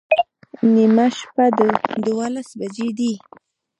نیمه شپه دوولس بجې دي